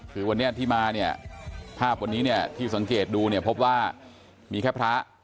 คือวันนี้ที่มาภาพวันนี้ที่สังเกตดูพบว่ามีแค่พระ